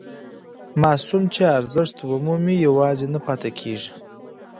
ماسوم چې ارزښت ومومي یوازې نه پاتې کېږي.